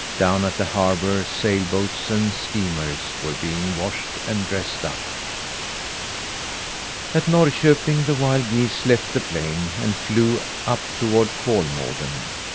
Down at the harbour, sailboats and steamers were being washed and dressed up. At Norrköping the wild geese left the plain, and flew up toward Kolmården.